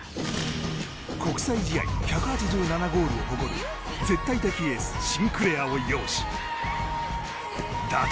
国際試合１８７ゴールを誇る絶対的エース、シンクレアを擁し打倒